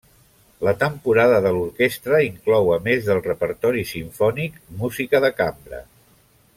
La temporada de l'orquestra inclou a més del repertori simfònic, música de cambra.